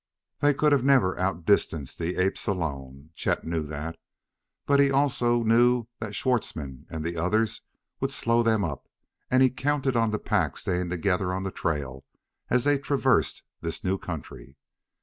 They could never have outdistanced the apes alone, Chet knew that. But he also knew that Schwartzmann and the others would slow them up, and he counted on the pack staying together on the trail as they traversed this new country.